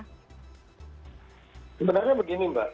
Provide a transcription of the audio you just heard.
sebenarnya begini mbak